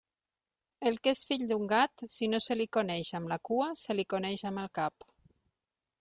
El que és fill d'un gat, si no se li coneix amb la cua, se li coneix amb el cap.